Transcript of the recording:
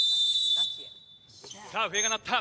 さあ笛が鳴った。